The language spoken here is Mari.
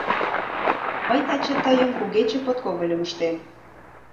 Мый таче тыйым кугече подкогыльым ыштем.